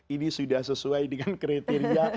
ini sudah sesuai dengan kriteria